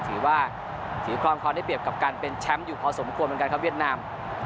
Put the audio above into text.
ถือว่าถือครองความได้เปรียบกับการเป็นแชมป์อยู่พอสมควรเหมือนกันครับเวียดนาม